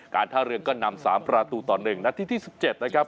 การท่าเรือก็นำสามประตูตอนหนึ่งนาทีที่สิบเจ็ดนะครับ